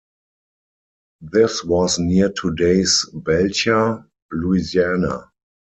This was near today's Belcher, Louisiana.